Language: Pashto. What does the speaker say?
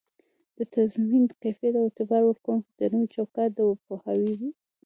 د تضمین کیفیت او اعتبار ورکووني د نوي چوکات د پوهاوي په